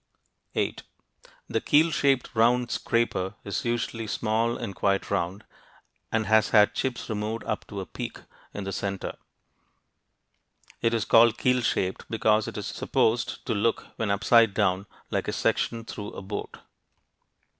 [Illustration: SHOULDERED POINT] 8. The "keel shaped round scraper" is usually small and quite round, and has had chips removed up to a peak in the center. It is called "keel shaped" because it is supposed to look (when upside down) like a section through a boat.